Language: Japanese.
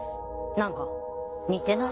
なんか似てない？